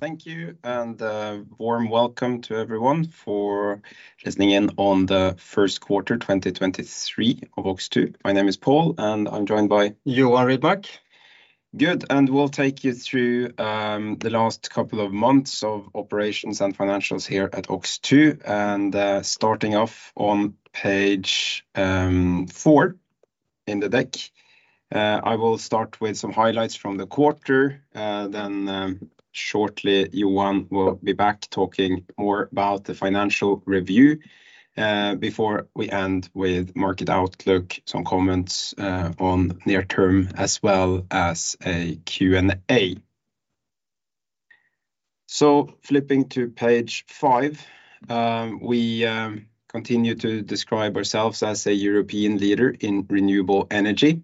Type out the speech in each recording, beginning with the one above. Thank you and a warm welcome to everyone for listening in on the 1st quarter 2023 of OX2. My name is Paul and I'm joined by- Johan Rydmark. Good. We'll take you through the last couple of months of operations and financials here at OX2, starting off on page 4 in the deck. I will start with some highlights from the quarter, then shortly, Johan will be back talking more about the financial review, before we end with market outlook, some comments on near term, as well as a Q&A. Flipping to page 5, we continue to describe ourselves as a European leader in renewable energy.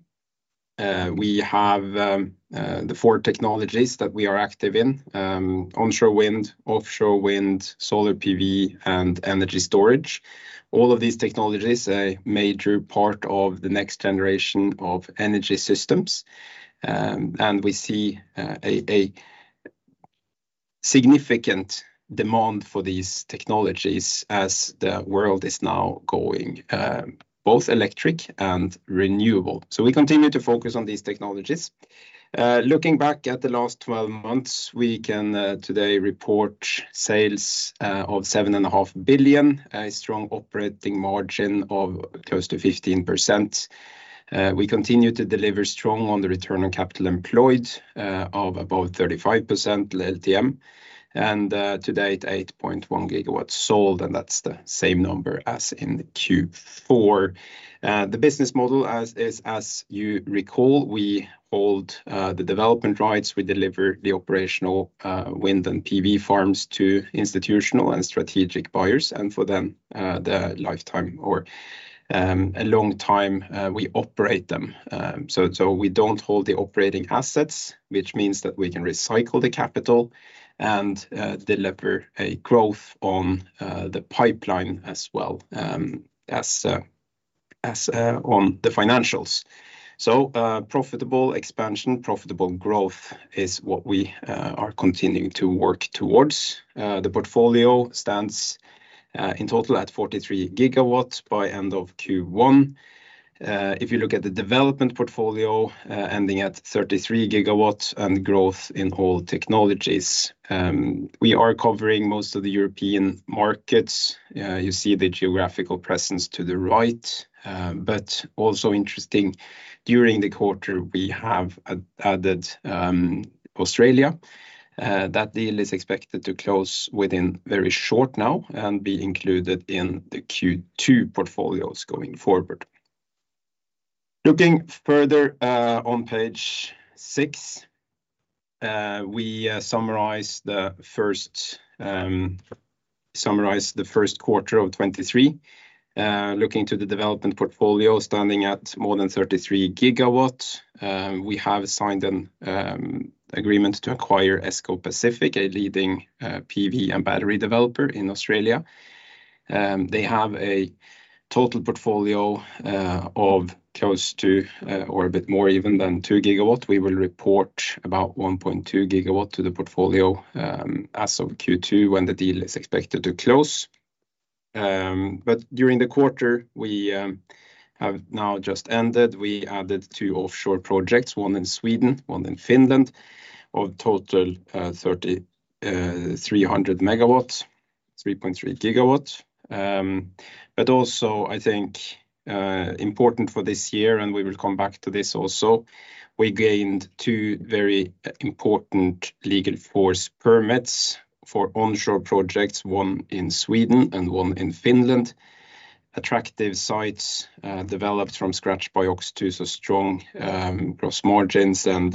We have the 4 technologies that we are active in, onshore wind, offshore wind, solar PV, and energy storage. All of these technologies a major part of the next generation of energy systems. We see a significant demand for these technologies as the world is now going both electric and renewable. We continue to focus on these technologies. Looking back at the last 12 months, we can today report sales of 7.5 billion, a strong operating margin of close to 15%. We continue to deliver strong on the return on capital employed of about 35% LTM, and to date, 8.1 gigawatts sold, and that's the same number as in the Q4. The business model as is, as you recall, we hold the development rights. We deliver the operational wind and PV farms to institutional and strategic buyers and for them, the lifetime or a long time, we operate them. We don't hold the operating assets, which means that we can recycle the capital and deliver a growth on the pipeline as well, as on the financials. Profitable expansion, profitable growth is what we are continuing to work towards. The portfolio stands in total at 43 gigawatts by end of Q1. If you look at the development portfolio, ending at 33 GWs and growth in all technologies. We are covering most of the European markets. You see the geographical presence to the right. Also interesting, during the quarter, we have added Australia. That deal is expected to close within very short now and be included in the Q2 portfolios going forward. Looking further, on page six, we summarize the first quarter of 2023. Looking to the development portfolio standing at more than 33 gigawatts. We have signed an agreement to acquire ESCO Pacific, a leading PV and battery developer in Australia. They have a total portfolio of close to, or a bit more even than 2 gigawatt. We will report about 1.2 GW to the portfolio as of Q2, when the deal is expected to close. During the quarter, we have now just ended. We added two offshore projects, one in Sweden, one in Finland, of total 300 MWs, 3.3 GWs. Also, I think, important for this year, and we will come back to this also, we gained 2 very important legal force permits for onshore projects, 1 in Sweden and 1 in Finland. Attractive sites, developed from scratch by OX2, so strong, gross margins and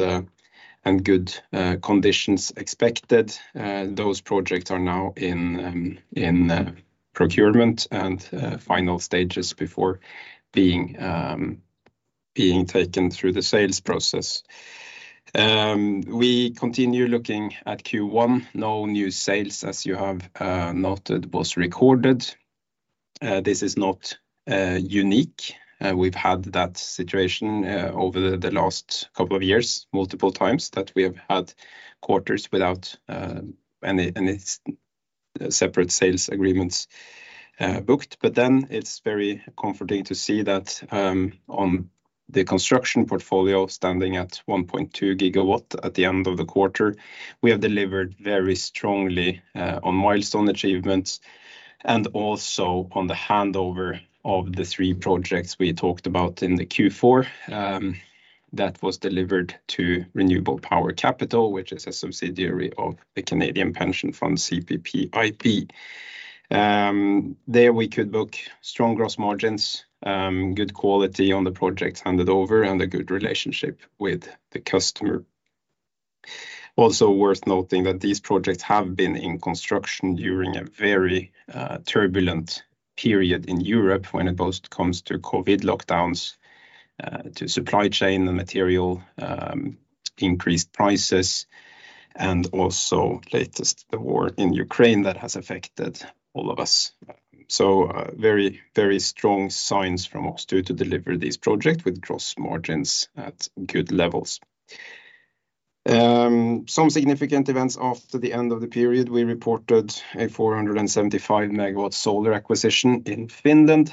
good conditions expected. Those projects are now in procurement and final stages before being taken through the sales process. We continue looking at Q1. No new sales, as you have noted, was recorded. This is not unique. We've had that situation over the last couple of years, multiple times, that we have had quarters without any separate sales agreements, booked. It's very comforting to see that, on the construction portfolio, standing at 1.2 gigawatt at the end of the quarter, we have delivered very strongly, on milestone achievements and also on the handover of the three projects we talked about in the Q4, that was delivered to Renewable Power Capital, which is a subsidiary of the Canadian pension fund CPPIB. There we could book strong gross margins, good quality on the projects handed over, and a good relationship with the customer. Also worth noting that these projects have been in construction during a very turbulent period in Europe when it comes to COVID lockdowns, to supply chain and material increased prices and also latest, the war in Ukraine that has affected all of us. Very strong signs from OX2 to deliver this project with gross margins at good levels. Some significant events after the end of the period, we reported a 475 megawatt solar acquisition in Finland.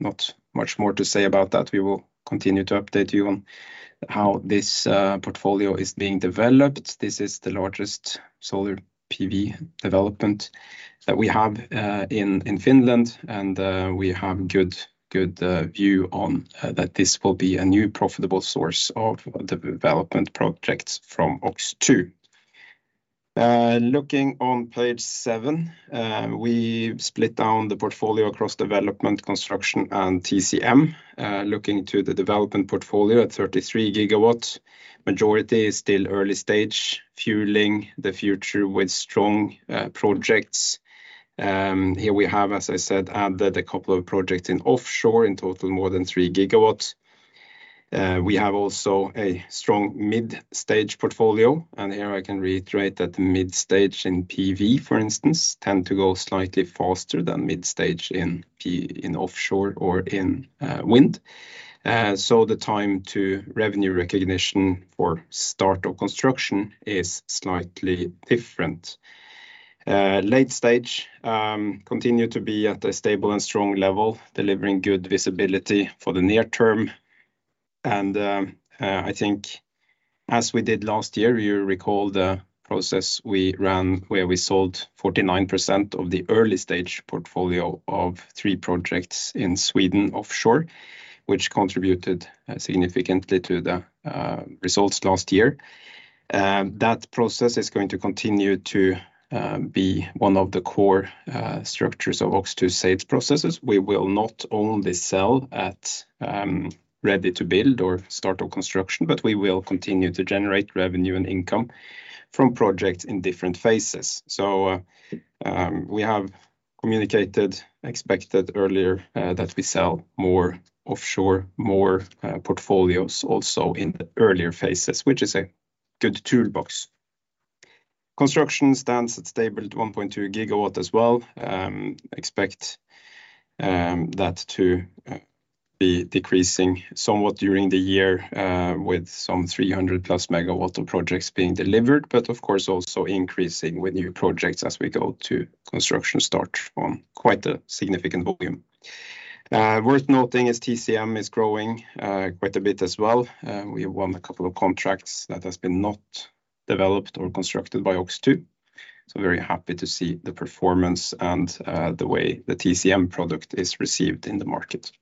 Not much more to say about that. We will continue to update you on how this portfolio is being developed. This is the largest solar PV development that we have in Finland and we have good view on that this will be a new profitable source of the development projects from OX2. Looking on page 7, we've split down the portfolio across development, construction, and TCM. Looking to the development portfolio at 33 gigawatts, majority is still early stage, fueling the future with strong projects. Here we have, as I said, added a couple of projects in offshore, in total more than 3 gigawatts. We have also a strong mid stage portfolio, and here I can reiterate that mid stage in PV, for instance, tend to go slightly faster than mid stage in offshore or in wind. The time to revenue recognition for start of construction is slightly different. Late stage continue to be at a stable and strong level, delivering good visibility for the near term. I think as we did last year, you recall the process we ran where we sold 49% of the early-stage portfolio of 3 projects in Sweden offshore, which contributed significantly to the results last year. That process is going to continue to be one of the core structures of OX2 sales processes. We will not only sell at ready-to-build or start of construction, but we will continue to generate revenue and income from projects in different phases. We have communicated, expected earlier, that we sell more offshore, more portfolios also in the earlier phases, which is a good toolbox. Construction stands at stable at 1.2 gigawatt as well. Expect that to be decreasing somewhat during the year, with some 300+ megawatt of projects being delivered, but of course also increasing with new projects as we go to construction start on quite a significant volume. Worth noting is TCM is growing quite a bit as well. We have won a couple of contracts that has been not developed or constructed by OX2, so very happy to see the performance and the way the TCM product is received in the market.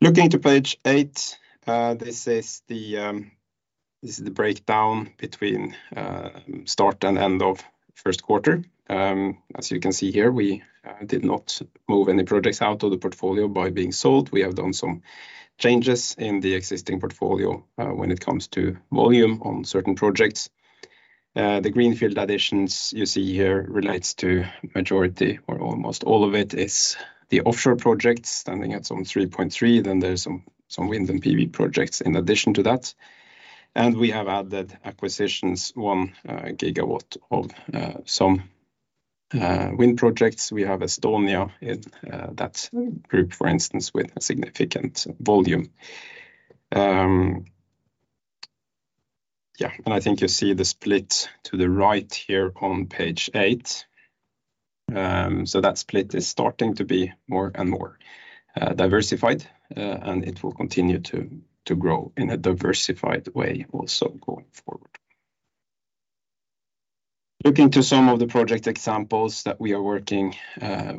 Looking to page 8, this is the breakdown between start and end of first quarter. As you can see here, we did not move any projects out of the portfolio by being sold. We have done some changes in the existing portfolio when it comes to volume on certain projects. The greenfield additions you see here relates to majority or almost all of it is the offshore projects standing at some 3.3, then there's some wind and PV projects in addition to that. We have added acquisitions, 1 gigawatt of some wind projects. We have Estonia in that group, for instance, with a significant volume. I think you see the split to the right here on page 8. That split is starting to be more and more diversified, and it will continue to grow in a diversified way also going forward. Looking to some of the project examples that we are working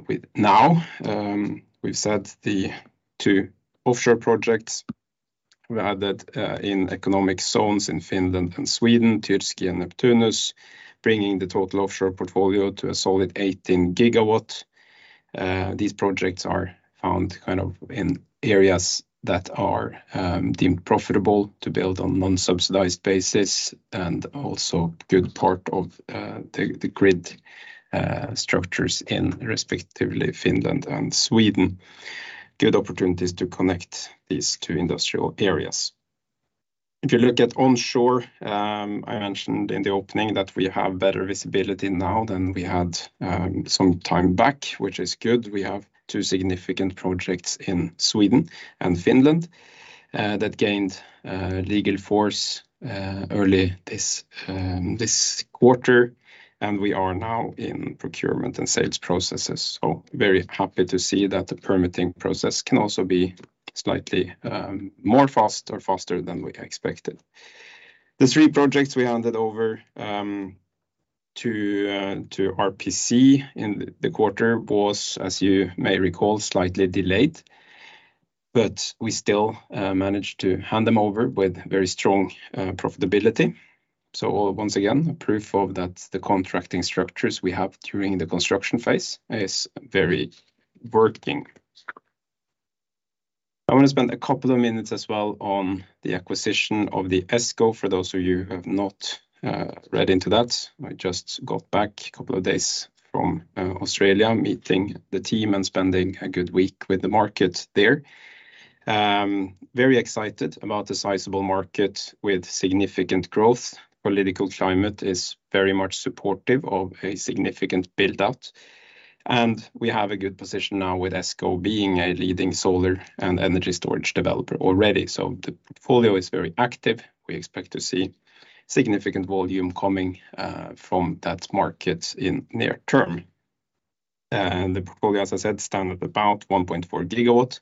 with now, we've said the two offshore projects we added in economic zones in Finland and Sweden, Tyrsky and Neptunus, bringing the total offshore portfolio to a solid 18 gigawatt. These projects are found kind of in areas that are deemed profitable to build on non-subsidized basis and also good part of the grid structures in respectively Finland and Sweden. Good opportunities to connect these two industrial areas. If you look at onshore, I mentioned in the opening that we have better visibility now than we had some time back, which is good. We have two significant projects in Sweden and Finland that gained legal force early this quarter, and we are now in procurement and sales processes. Very happy to see that the permitting process can also be slightly faster than we expected. The 3 projects we handed over to RPC in the quarter was, as you may recall, slightly delayed, but we still managed to hand them over with very strong profitability. Once again, proof of that the contracting structures we have during the construction phase is very working. I wanna spend a couple of minutes as well on the acquisition of the ESCO for those of you who have not read into that. I just got back a couple of days from Australia, meeting the team and spending a good week with the market there. Very excited about the sizable market with significant growth. Political climate is very much supportive of a significant build-out. We have a good position now with ESCO being a leading solar and energy storage developer already. The portfolio is very active. We expect to see significant volume coming from that market in near term. The portfolio, as I said, stand with about 1.4 gigawatts.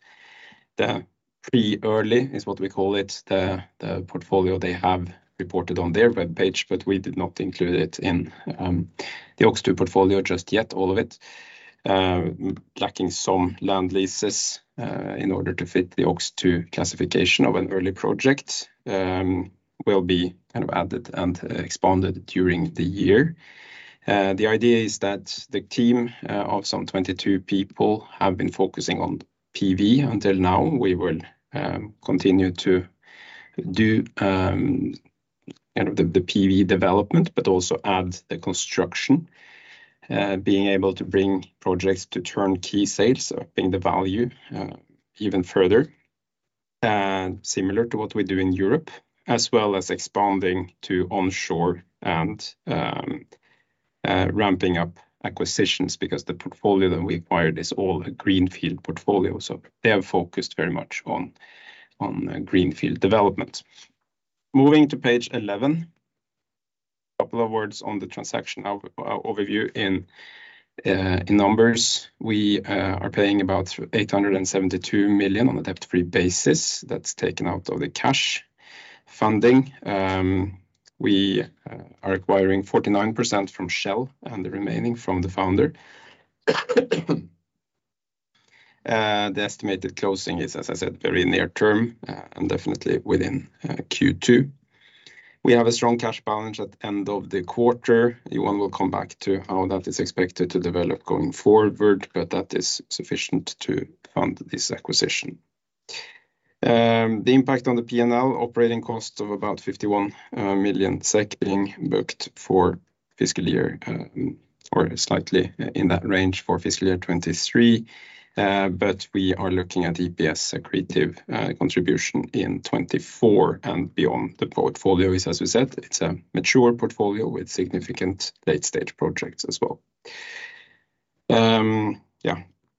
The pre-early is what we call it, the portfolio they have reported on their web page, but we did not include it in the OX2 portfolio just yet, all of it. Lacking some land leases in order to fit the OX2 classification of an early project, will be kind of added and expanded during the year. The idea is that the team of some 22 people have been focusing on PV until now. We will continue to do kind of the PV development, but also add the construction, being able to bring projects to turnkey sales, upping the value even further, similar to what we do in Europe, as well as expanding to onshore and ramping up acquisitions because the portfolio that we acquired is all a greenfield portfolio. They have focused very much on greenfield development. Moving to page 11, a couple of words on the transaction overview in numbers. We are paying about 872 million on a debt-free basis. That's taken out of the cash funding. We are acquiring 49% from Shell and the remaining from the founder. The estimated closing is, as I said, very near term, and definitely within Q2. We have a strong cash balance at end of the quarter. Johan will come back to how that is expected to develop going forward, that is sufficient to fund this acquisition. The impact on the P&L operating costs of about 51 million SEK being booked for fiscal year, or slightly in that range for fiscal year 2023. We are looking at EPS accretive contribution in 2024 and beyond. The portfolio is, as we said, it's a mature portfolio with significant late-stage projects as well.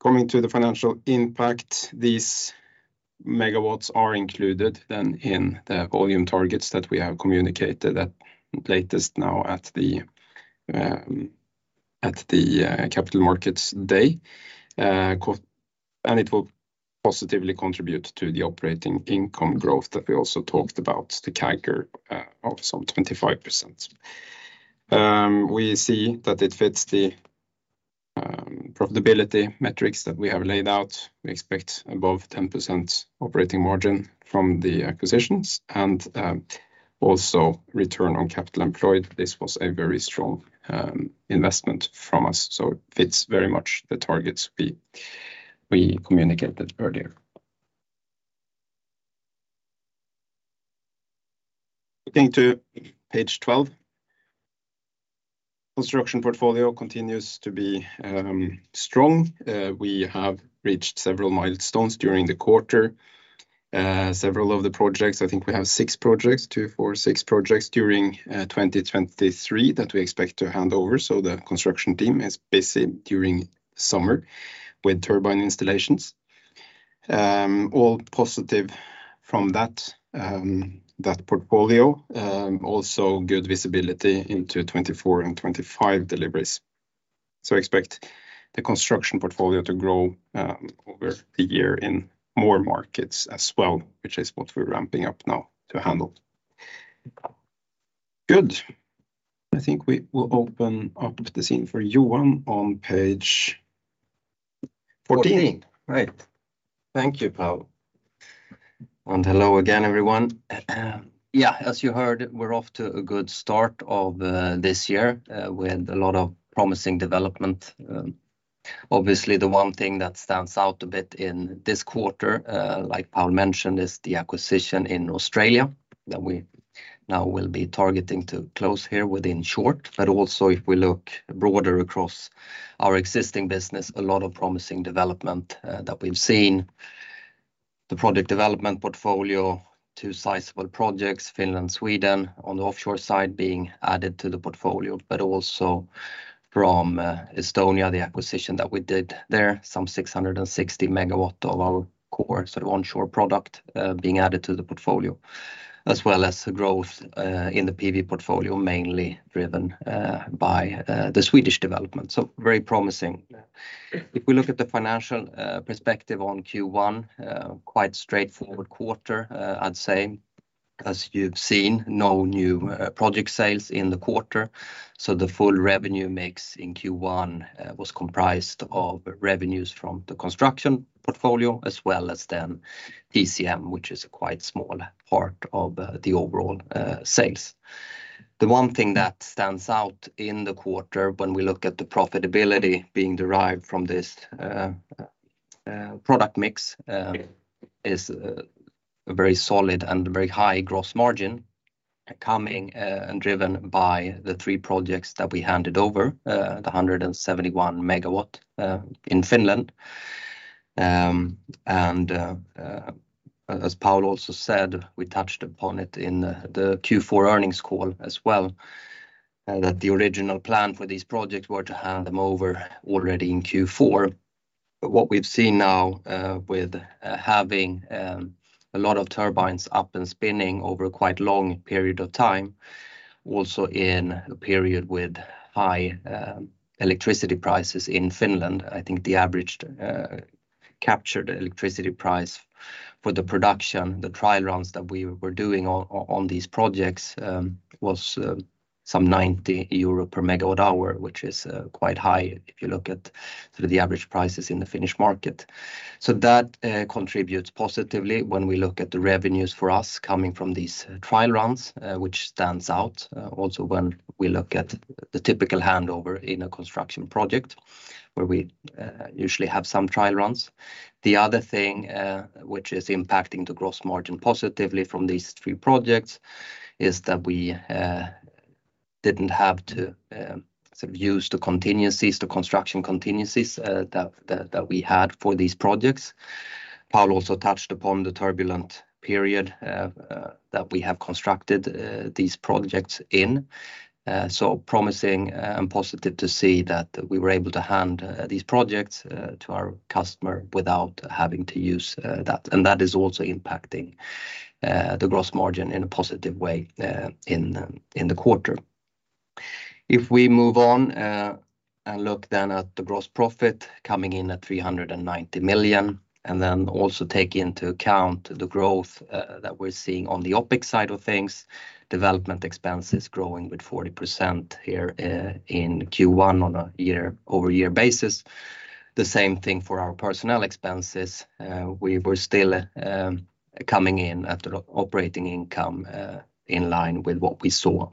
Coming to the financial impact, these megawatts are included then in the volume targets that we have communicated at latest now at the Capital Markets Day. It will positively contribute to the operating income growth that we also talked about, the CAGR, of some 25%. We see that it fits the profitability metrics that we have laid out. We expect above 10% operating margin from the acquisitions and also return on capital employed. This was a very strong investment from us, so it fits very much the targets we communicated earlier. Looking to page 12. Construction portfolio continues to be strong. We have reached several milestones during the quarter. Several of the projects, I think we have 6 projects, 2, 4, 6 projects during 2023 that we expect to hand over. The construction team is busy during summer with turbine installations. All positive from that portfolio. Also good visibility into 2024 and 2025 deliveries. Expect the construction portfolio to grow over the year in more markets as well, which is what we're ramping up now to handle. Good. I think we will open up the scene for Johan on page 14. 14. Right. Thank you, Paul. Hello again, everyone. Yeah, as you heard, we're off to a good start of this year with a lot of promising development. Obviously the one thing that stands out a bit in this quarter, like Paul mentioned, is the acquisition in Australia that we now will be targeting to close here within short. Also if we look broader across our existing business, a lot of promising development that we've seen. The product development portfolio, 2 sizable projects, Finland, Sweden on the offshore side being added to the portfolio, also from Estonia, the acquisition that we did there, some 660 MW of our core sort of onshore product being added to the portfolio, as well as the growth in the PV portfolio, mainly driven by the Swedish development. Very promising. If we look at the financial perspective on Q1, quite straightforward quarter, I'd say, as you've seen, no new project sales in the quarter. The full revenue mix in Q1 was comprised of revenues from the construction portfolio as well as then TCM, which is a quite small part of the overall sales. The one thing that stands out in the quarter when we look at the profitability being derived from this product mix, is a very solid and very high gross margin coming and driven by the three projects that we handed over, the 171 megawatt in Finland. As Paul also said, we touched upon it in the Q4 earnings call as well, that the original plan for these projects were to hand them over already in Q4. What we've seen now, with having a lot of turbines up and spinning over a quite long period of time, also in a period with high electricity prices in Finland, I think the average captured electricity price for the production, the trial runs that we were doing on these projects, was some 90 euro per megawatt hour, which is quite high if you look at sort of the average prices in the Finnish market. That contributes positively when we look at the revenues for us coming from these trial runs, which stands out also when we look at the typical handover in a construction project where we usually have some trial runs. The other thing, which is impacting the gross margin positively from these three projects is that we didn't have to sort of use the contingencies, the construction contingencies, that we had for these projects. Paul also touched upon the turbulent period that we have constructed these projects in. Promising and positive to see that we were able to hand these projects to our customer without having to use that. That is also impacting the gross margin in a positive way in the quarter. If we move on, and look then at the gross profit coming in at 390 million, and then also take into account the growth that we're seeing on the OpEx side of things, development expenses growing with 40% here in Q1 on a year-over-year basis. The same thing for our personnel expenses. We were still coming in at operating income in line with what we saw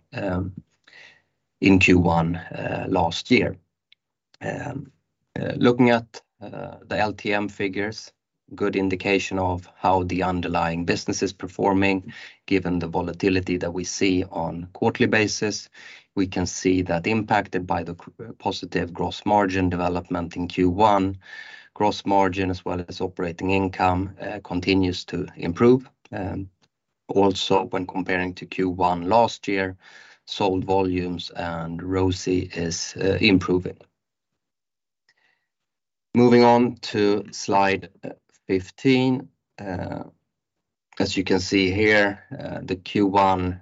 in Q1 last year. Looking at the LTM figures, good indication of how the underlying business is performing, given the volatility that we see on quarterly basis. We can see that impacted by the positive gross margin development in Q1. Gross margin as well as operating income continues to improve. Also when comparing to Q1 last year, sold volumes and ROSI is improving. Moving on to slide 15. As you can see here, the Q1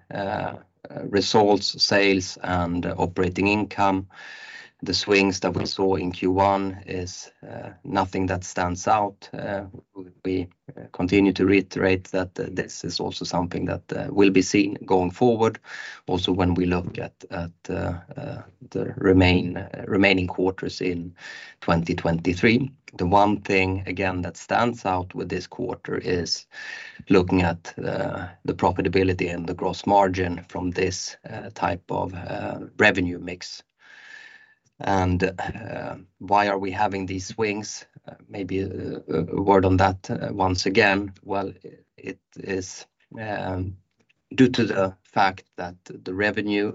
results, sales and operating income. The swings that we saw in Q1 is nothing that stands out. We continue to reiterate that this is also something that will be seen going forward. Also when we look at the remaining quarters in 2023. The one thing again that stands out with this quarter is looking at the profitability and the gross margin from this type of revenue mix. Why are we having these swings? Maybe a word on that once again. Well, it is due to the fact that the revenue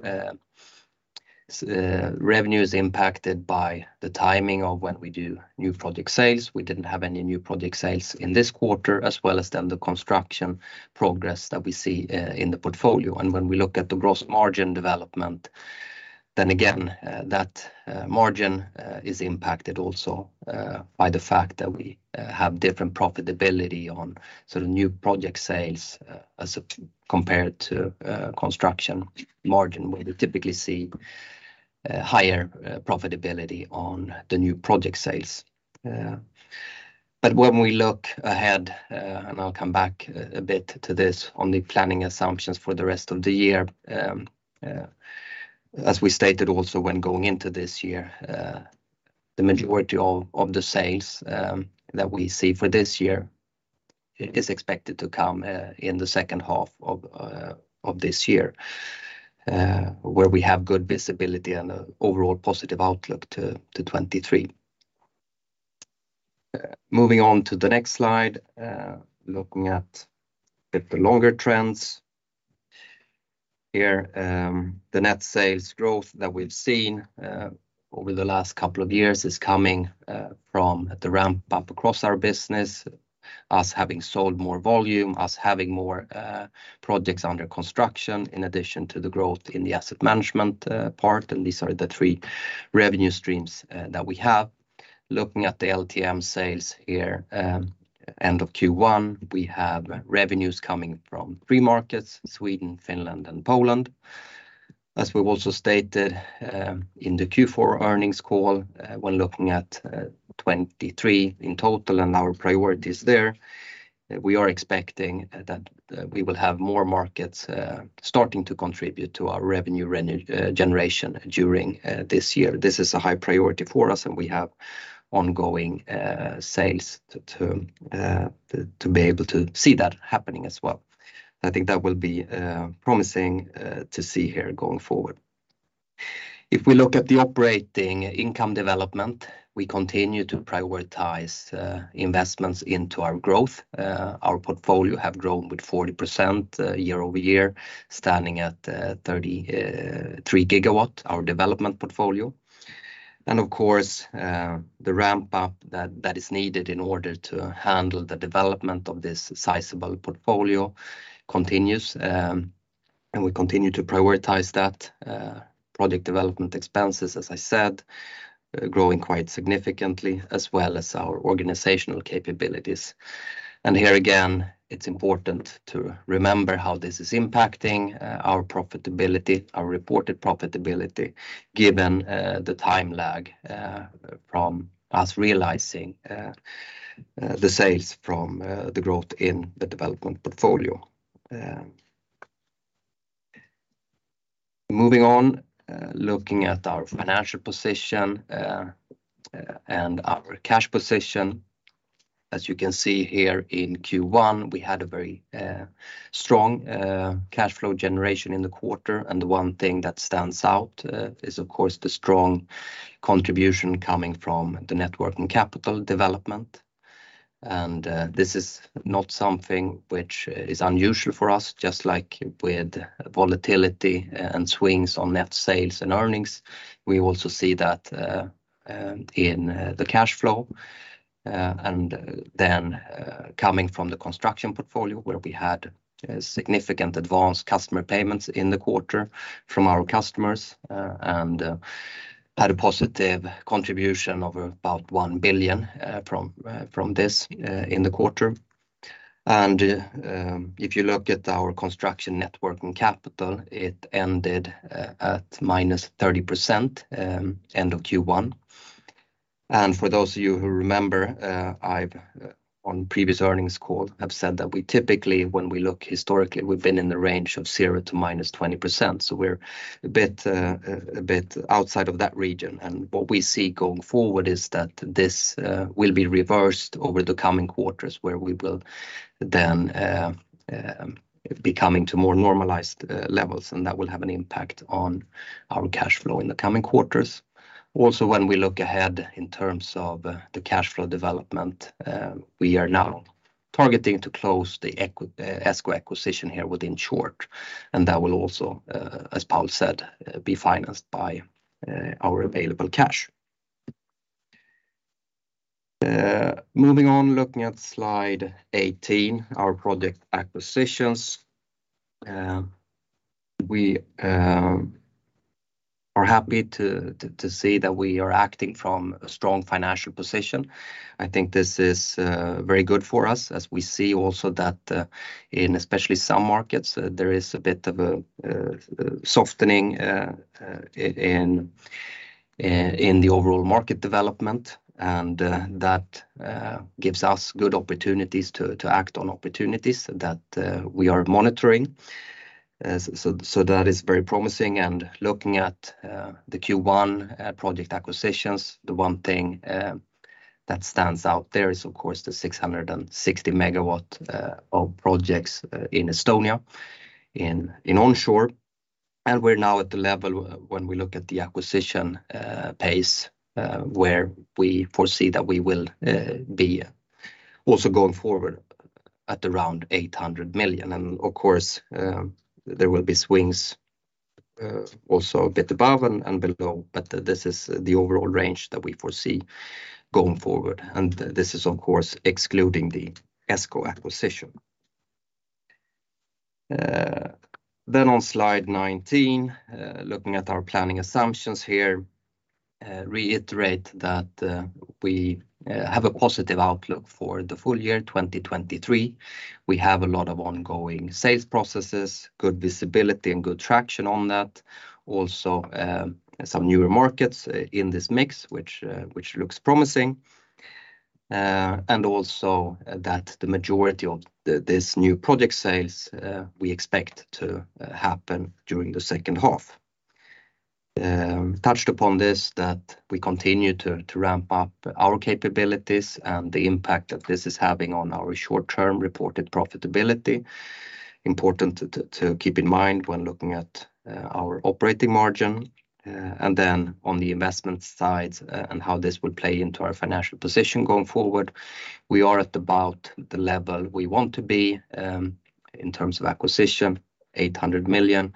is impacted by the timing of when we do new project sales. We didn't have any new project sales in this quarter, as well as the construction progress that we see, in the portfolio. When we look at the gross margin development, again, that margin is impacted also by the fact that we have different profitability on sort of new project sales, as compared to construction margin, where we typically see higher profitability on the new project sales. When we look ahead, and I'll come back a bit to this on the planning assumptions for the rest of the year, as we stated also when going into this year, the majority of the sales that we see for this year is expected to come in the second half of this year, where we have good visibility and an overall positive outlook to 2023. Moving on to the next slide, looking at a bit the longer trends. Here, the net sales growth that we've seen over the last couple of years is coming from the ramp-up across our business, us having sold more volume, us having more projects under construction, in addition to the growth in the asset management part. These are the three revenue streams that we have. Looking at the LTM sales here, end of Q1, we have revenues coming from three markets, Sweden, Finland and Poland. As we've also stated, in the Q4 earnings call, when looking at 2023 in total and our priorities there, we are expecting that we will have more markets starting to contribute to our revenue generation during this year. This is a high priority for us and we have ongoing sales to be able to see that happening as well. I think that will be promising to see here going forward. If we look at the operating income development, we continue to prioritize investments into our growth. Our portfolio have grown with 40% year-over-year, standing at 33 GW, our development portfolio. Of course, the ramp up that is needed in order to handle the development of this sizable portfolio continues, and we continue to prioritize that. Project development expenses, as I said, growing quite significantly, as well as our organizational capabilities. Here again, it's important to remember how this is impacting our profitability, our reported profitability, given the time lag from us realizing the sales from the growth in the development portfolio. Moving on, looking at our financial position and our cash position. As you can see here in Q1, we had a very strong cash flow generation in the quarter, and the one thing that stands out is of course the strong contribution coming from the Net Working Capital development. This is not something which is unusual for us, just like with volatility and swings on net sales and earnings. We also see that in the cash flow. Coming from the construction portfolio, where we had significant advanced customer payments in the quarter from our customers, and had a positive contribution of about 1 billion from this in the quarter. If you look at our construction Net Working Capital, it ended at -30% end of Q1. For those of you who remember, I've on previous earnings call, have said that we typically, when we look historically, we've been in the range of 0% to -20%. We're a bit outside of that region. What we see going forward is that this will be reversed over the coming quarters, where we will then be coming to more normalized levels, and that will have an impact on our cash flow in the coming quarters. Also, when we look ahead in terms of the cash flow development, we are now targeting to close the ESCO Pacific acquisition here within short, and that will also, as Paul said, be financed by our available cash. Moving on, looking at slide 18, our project acquisitions. We are happy to see that we are acting from a strong financial position. I think this is very good for us, as we see also that in especially some markets, there is a bit of a softening in the overall market development. That gives us good opportunities to act on opportunities that we are monitoring. That is very promising. Looking at the Q1 project acquisitions, the one thing that stands out there is of course the 660 megawatt of projects in Estonia, in onshore. We're now at the level when we look at the acquisition pace, where we foresee that we will be also going forward at around 800 million. Of course, there will be swings, also a bit above and below, but this is the overall range that we foresee going forward. This is of course excluding the ESCO acquisition. On slide 19, looking at our planning assumptions here, reiterate that we have a positive outlook for the full year 2023. We have a lot of ongoing sales processes, good visibility and good traction on that. Also, some newer markets in this mix, which looks promising. Also that the majority of this new project sales, we expect to happen during the second half. Touched upon this, that we continue to ramp up our capabilities and the impact that this is having on our short-term reported profitability. Important to keep in mind when looking at our operating margin. On the investment side, and how this will play into our financial position going forward, we are at about the level we want to be in terms of acquisition, 800 million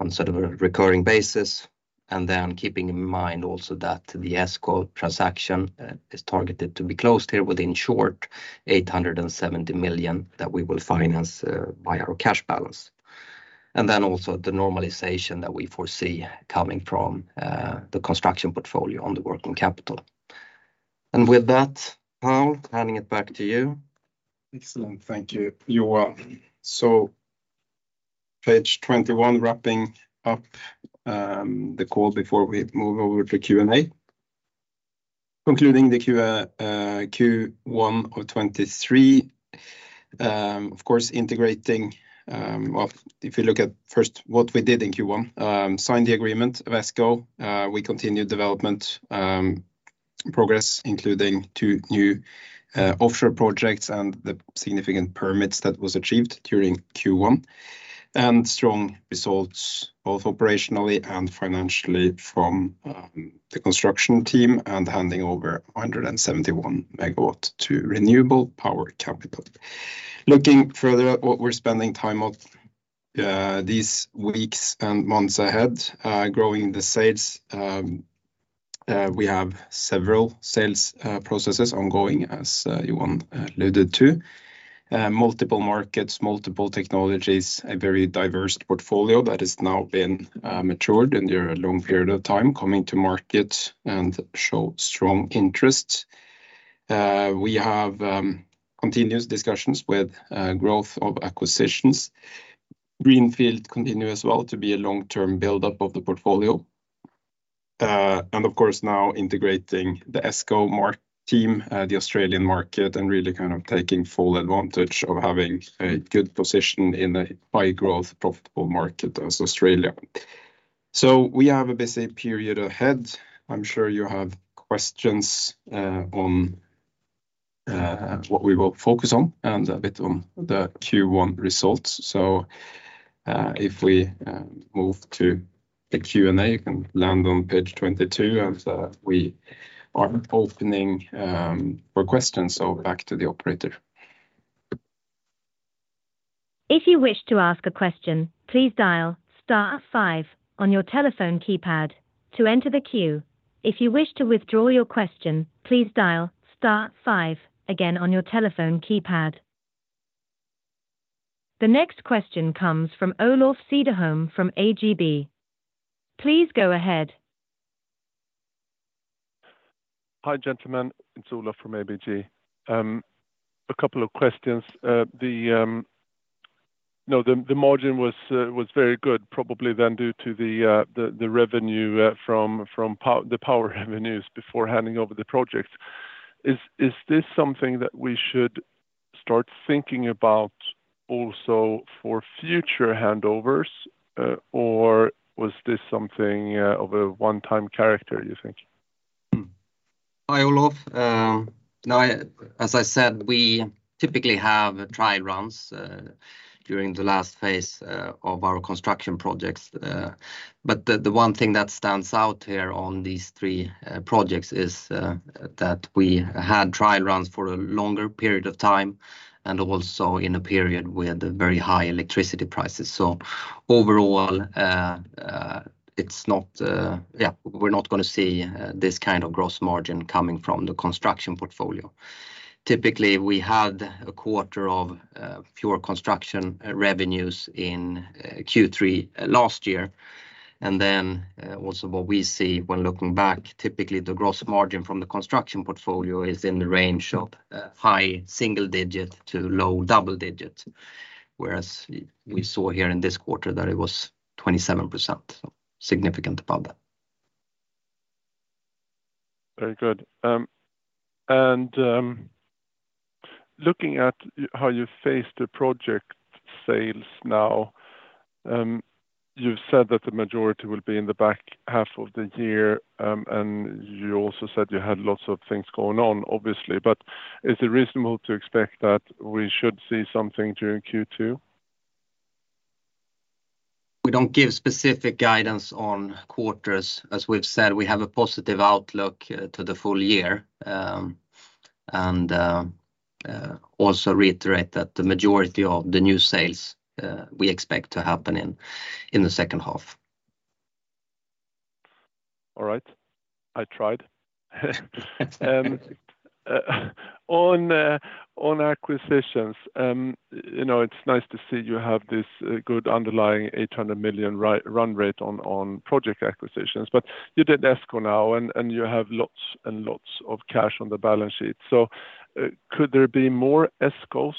on sort of a recurring basis. Keeping in mind also that the ESCO transaction is targeted to be closed here within short, 870 million that we will finance by our cash balance. Also the normalization that we foresee coming from the construction portfolio on the working capital. With that, Paul, handing it back to you. Excellent. Thank you, Joa. Page 21, wrapping up the call before we move over to Q&A. Concluding the Q1 of 2023, of course integrating, well, if you look at first what we did in Q1, signed the agreement of ESCO. We continued development progress, including two new offshore projects and the significant permits that was achieved during Q1. Strong results both operationally and financially from the construction team and handing over 171 MW to Renewable Power Capital. Looking further at what we're spending time on. Yeah, these weeks and months ahead, growing the sales, we have several sales processes ongoing as Johan alluded to. Multiple markets, multiple technologies, a very diverse portfolio that has now been matured in their long period of time coming to market and show strong interest. We have continuous discussions with growth of acquisitions. Greenfield continue as well to be a long-term buildup of the portfolio. Of course now integrating the ESCO team, the Australian market and really kind of taking full advantage of having a good position in a high-growth profitable market as Australia. We have a busy period ahead. I'm sure you have questions on what we will focus on and a bit on the Q1 results. If we move to the Q&A, you can land on page 22, and we are opening for questions, back to the operator. If you wish to ask a question, please dial star 5 on your telephone keypad to enter the queue. If you wish to withdraw your question, please dial star 5 again on your telephone keypad. The next question comes from Olof Cederholm from ABG. Please go ahead. Hi, gentlemen. It's Olof from ABG. A couple of questions. The margin was very good, probably then due to the revenue from the power revenues before handing over the project. Is this something that we should start thinking about also for future handovers, or was this something of a one-time character, you think? Hi, Olof. No, as I said, we typically have trial runs during the last phase of our construction projects. The one thing that stands out here on these 3 projects is that we had trial runs for a longer period of time and also in a period with very high electricity prices. Overall, it's not, yeah, we're not gonna see this kind of gross margin coming from the construction portfolio. Typically, we had a quarter of pure construction revenues in Q3 last year. Also what we see when looking back, typically the gross margin from the construction portfolio is in the range of high single digit to low double digit. Whereas we saw here in this quarter that it was 27%, significant above that. Very good. Looking at how you face the project sales now, you've said that the majority will be in the back half of the year, and you also said you had lots of things going on, obviously. Is it reasonable to expect that we should see something during Q2? We don't give specific guidance on quarters. As we've said, we have a positive outlook to the full year. Also reiterate that the majority of the new sales, we expect to happen in the second half. All right. I tried. On acquisitions, you know, it's nice to see you have this good underlying 800 million run rate on project acquisitions. You did ESCO now and you have lots and lots of cash on the balance sheet. Could there be more ESCOs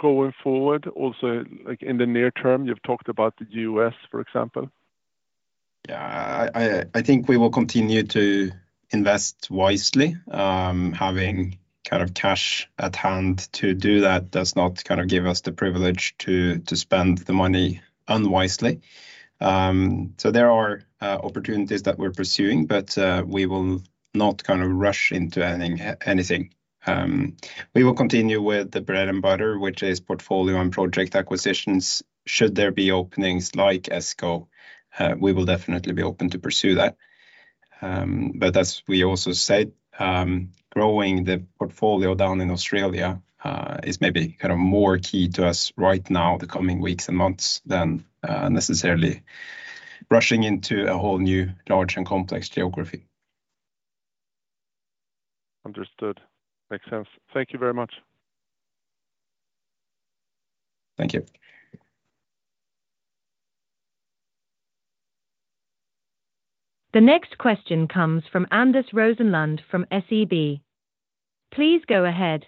going forward also, like in the near term? You've talked about the U.S., for example. Yeah. I think we will continue to invest wisely. Having kind of cash at hand to do that does not kind of give us the privilege to spend the money unwisely. There are opportunities that we're pursuing, but we will not kind of rush into anything. We will continue with the bread and butter, which is portfolio and project acquisitions. Should there be openings like ESCO, we will definitely be open to pursue that. As we also said, growing the portfolio down in Australia is maybe kind of more key to us right now, the coming weeks and months, than necessarily rushing into a whole new large and complex geography. Understood. Makes sense. Thank you very much. Thank you. The next question comes from Anders Rosenlund from SEB. Please go ahead.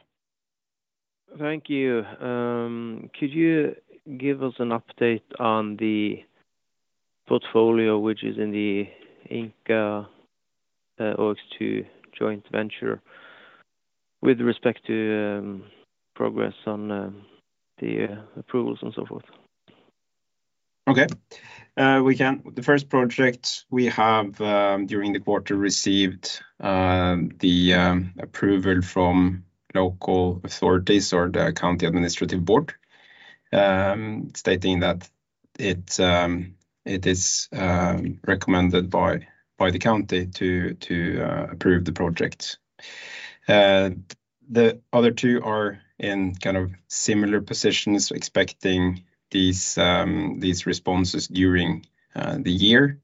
Thank you. Could you give us an update on the portfolio, which is in the Ingka OX2 joint venture with respect to progress on the approvals and so forth? Okay. We can. The first project we have during the quarter received the approval from local authorities or the County Administrative Board, stating that it is recommended by the county to approve the project. The other two are in kind of similar positions, expecting these responses during the year.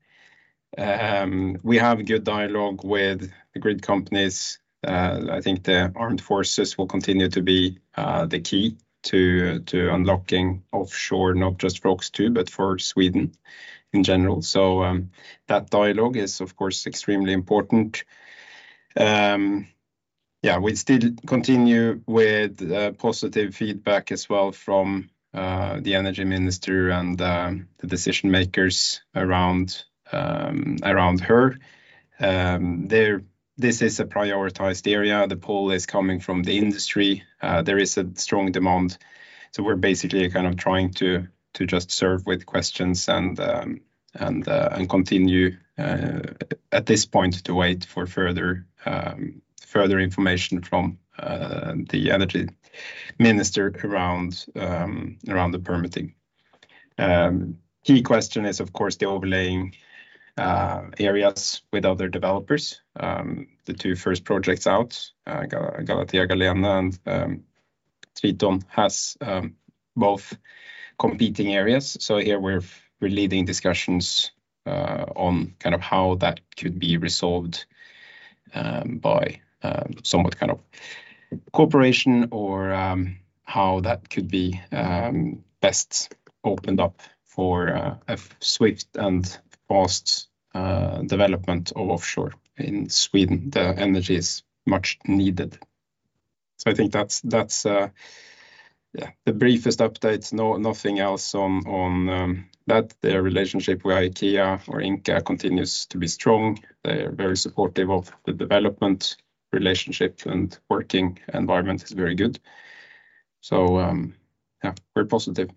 We have good dialogue with the grid companies. I think the armed forces will continue to be the key to unlocking offshore, not just Faxe 2, but for Sweden in general. That dialogue is of course, extremely important. Yeah, we still continue with positive feedback as well from the energy minister and the decision makers around her. This is a prioritized area. The poll is coming from the industry. There is a strong demand, we're basically trying to just serve with questions and continue at this point to wait for further information from the energy minister around the permitting. Key question is, of course, the overlaying areas with other developers. The two first projects out, Galatea, Galene, and Triton has both competing areas. Here we're leading discussions on how that could be resolved by somewhat cooperation or how that could be best opened up for a swift and fast development of offshore in Sweden. The energy is much needed. I think that's the briefest updates. Nothing else on that. The relationship with IKEA or Ingka continues to be strong. They're very supportive of the development relationships and working environment is very good. Yeah, very positive.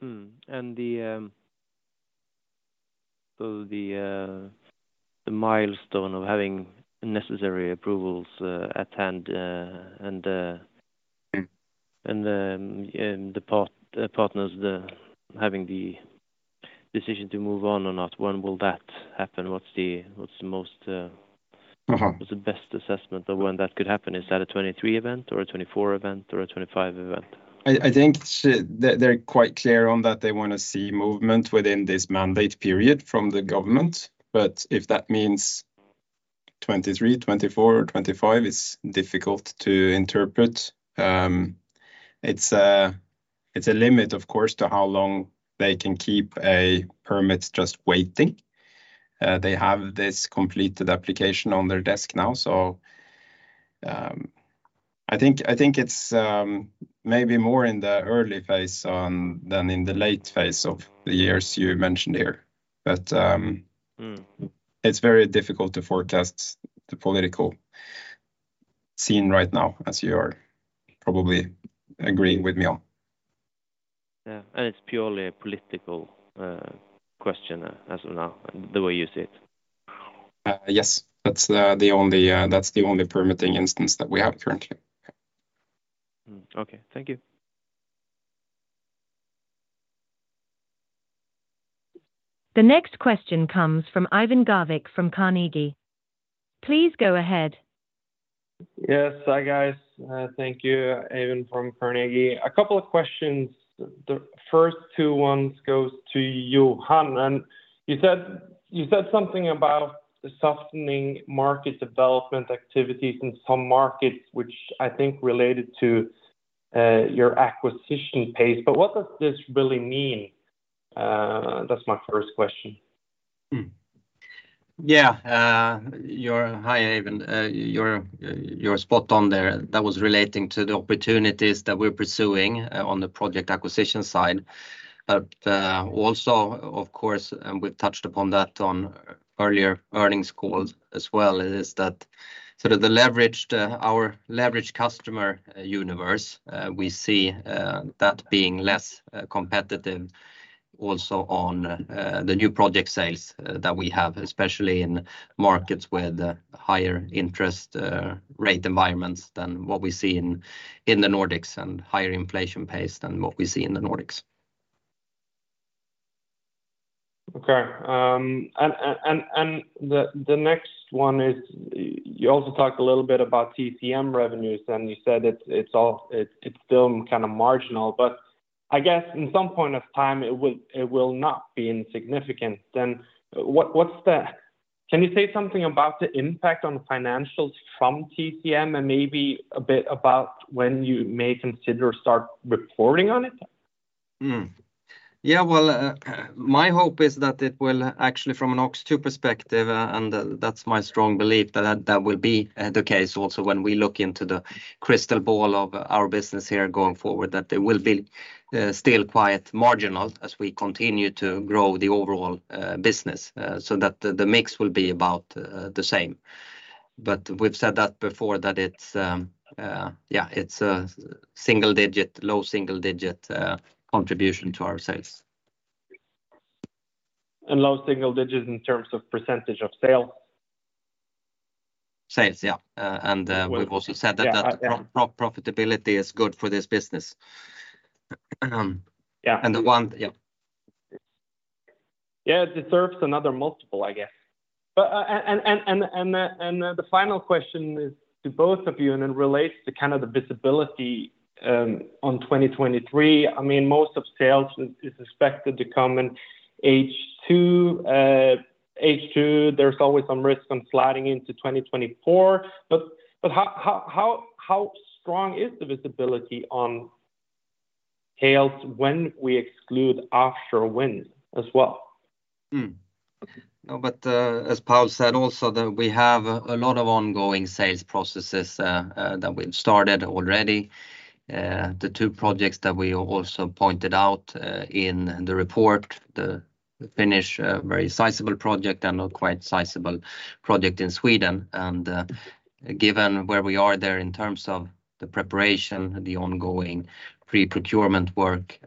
The milestone of having necessary approvals at hand. The part-partners, having the decision to move on or not, when will that happen? What's the most? What's the best assessment of when that could happen? Is that a 2023 event or a 2024 event or a 2025 event? I think they're quite clear on that. They wanna see movement within this mandate period from the government. If that means 2023, 2024 or 2025, it's difficult to interpret. It's a limit, of course, to how long they can keep a permit just waiting. They have this completed application on their desk now, I think it's maybe more in the early phase on than in the late phase of the years you mentioned here. It's very difficult to forecast the political scene right now, as you are probably agreeing with me on. Yeah. It's purely a political question as of now, the way you see it? Yes. That's the only permitting instance that we have currently. Okay. Thank you. The next question comes from Eivind Garvik from Carnegie. Please go ahead. Yes. Hi, guys. thank you. Eivind from Carnegie. A couple of questions. The first two ones goes to Johan. You said something about the softening market development activities in some markets, which I think related to, your acquisition pace. What does this really mean? That's my first question. Yeah. Hi, Eivind. You're spot on there. That was relating to the opportunities that we're pursuing on the project acquisition side. Also, of course, and we've touched upon that on earlier earnings calls as well, is that sort of the leveraged our leveraged customer universe, we see that being less competitive also on the new project sales that we have, especially in markets with higher interest rate environments than what we see in the Nordics and higher inflation pace than what we see in the Nordics. Okay. The next one is you also talked a little bit about TCM revenues. You said it's still kind of marginal, but I guess in some point of time it will not be insignificant. Can you say something about the impact on financials from TCM and maybe a bit about when you may consider start reporting on it? Well, my hope is that it will actually, from an OX2 perspective, and that's my strong belief that that will be the case also when we look into the crystal ball of our business here going forward, that it will be still quite marginal as we continue to grow the overall business, so that the mix will be about the same. We've said that before, that it's, yeah, it's a single digit, low single digit contribution to our sales. In low single digits in terms of % of sales Sales, yeah. We've also said. Yeah, yeah.... that profitability is good for this business. Yeah. Yeah. It deserves another multiple, I guess. And the final question is to both of you, and it relates to kind of the visibility on 2023. I mean, most of sales is expected to come in H2. H2, there's always some risk on sliding into 2024. How strong is the visibility on sales when we exclude offshore wind as well? As Paul said also that we have a lot of ongoing sales processes that we've started already. The two projects that we also pointed out in the report, the Finnish very sizable project and not quite sizable project in Sweden. Given where we are there in terms of the preparation, the ongoing pre-procurement work,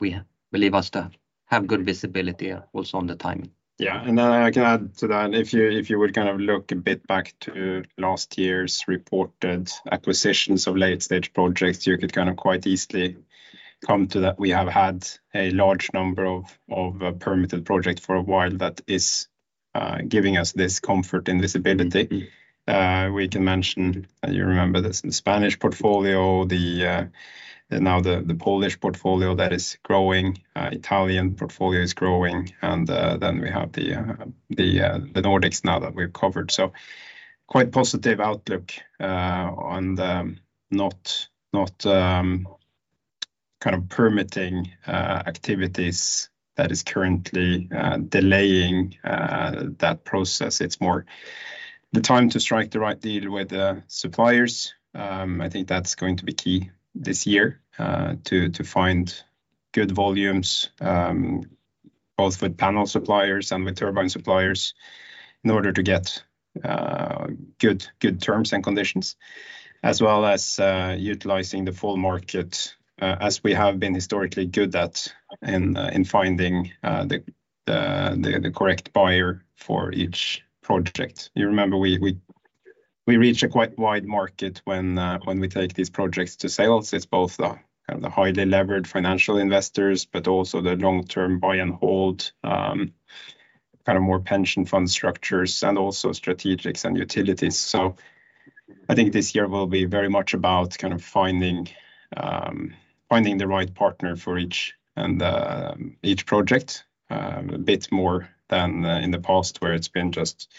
we believe us to have good visibility also on the timing. Yeah. I can add to that. If you would kind of look a bit back to last year's reported acquisitions of late-stage projects, you could kind of quite easily come to that we have had a large number of permitted project for a while that is giving us this comfort and visibility. We can mention, you remember the Spanish portfolio, the now the Polish portfolio that is growing, Italian portfolio is growing, then we have the Nordics now that we've covered. Quite positive outlook on the not kind of permitting activities that is currently delaying that process. It's more the time to strike the right deal with the suppliers. I think that's going to be key this year to find good volumes, both with panel suppliers and with turbine suppliers in order to get good terms and conditions, as well as utilizing the full market, as we have been historically good at in finding the correct buyer for each project. You remember we reach a quite wide market when we take these projects to sales. It's both kind of the highly levered financial investors, but also the long-term buy and hold, kind of more pension fund structures and also strategics and utilities. I think this year will be very much about kind of finding the right partner for each and, each project, a bit more than, in the past where it's been just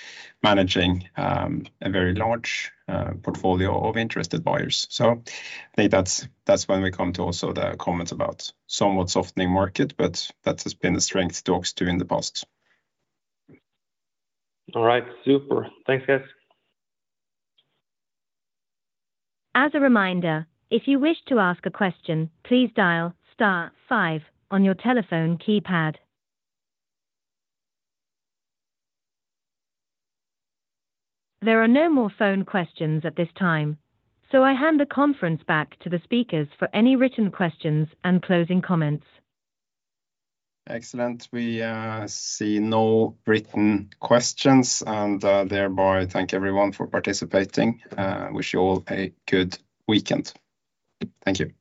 managing, a very large, portfolio of interested buyers. I think that's when we come to also the comments about somewhat softening market, but that has been the strength to OX2 in the past. All right. Super. Thanks, guys. As a reminder, if you wish to ask a question, please dial star five on your telephone keypad. There are no more phone questions at this time, so I hand the conference back to the speakers for any written questions and closing comments. Excellent. We see no written questions, and thereby thank everyone for participating. Wish you all a good weekend. Thank you.